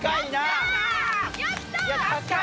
やったー！